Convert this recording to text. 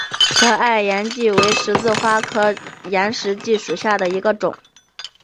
河岸岩荠为十字花科岩荠属下的一个种。